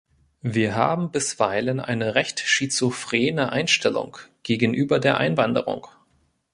Wir haben bisweilen eine recht schizophrene Einstellung gegenüber der Einwanderung.